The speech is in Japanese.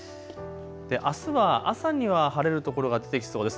あすは朝には晴れる所が出てきそうです。